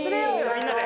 みんなで。